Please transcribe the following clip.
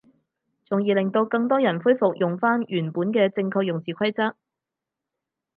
從而令到更多人恢復用返原本嘅正確用字規則